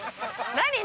何？